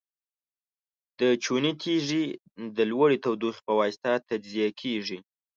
د چونې تیږې د لوړې تودوخې په واسطه تجزیه کیږي.